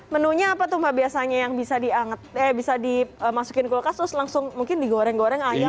menunya apa tuh mbak biasanya yang bisa dimasukin kulkas terus langsung mungkin digoreng goreng ayam